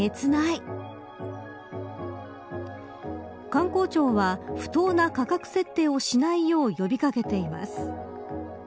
観光庁は不当な価格設定をしないよう呼び掛けています。